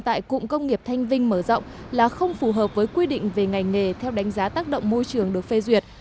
tại cụng công nghiệp thanh vinh mở rộng là không phù hợp với quy định về ngành nghề theo đánh giá tác động môi trường được phê duyệt